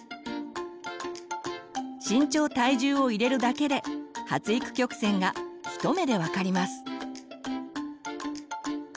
身長体重を入れるだけで発育曲線が一目で分かります。